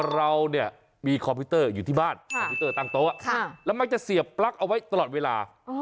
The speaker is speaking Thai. เราเนี่ยมีคอมพิวเตอร์อยู่ที่บ้านคอมพิวเตอร์ตั้งโต๊ะแล้วมักจะเสียบปลั๊กเอาไว้ตลอดเวลา